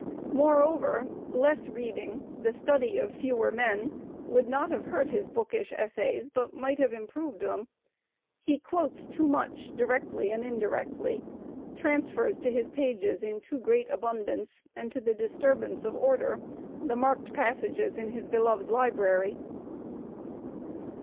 Moreover, less reading, the study of fewer men, would not have hurt his bookish essays, but might have improved them. He quotes too much directly and indirectly; transfers to his pages in too great abundance, and to the disturbance of order, the marked passages in his beloved library.